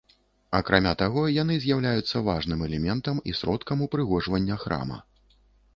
Акрамя таго, яны з'яўляюцца важным элементам і сродкам упрыгожвання храма.